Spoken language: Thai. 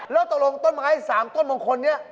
แล้วตกลงต้นไหมสามต้นบางคนนี้